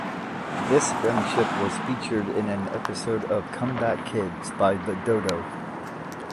This friendship was featured in an episode of Comeback Kids by The Dodo.